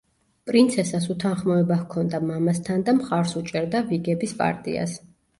პრინცესას უთანხმოება ჰქონდა მამასთან და მხარს უჭერდა ვიგების პარტიას.